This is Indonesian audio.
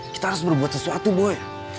kita harus berbuat sesuatu boleh